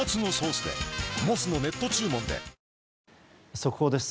速報です。